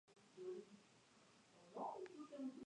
Fue nominada para el premio Oscar a de ese año.